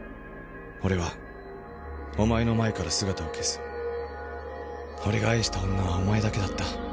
「俺はおまえの前から姿を消す」「俺が愛した女はおまえだけだった」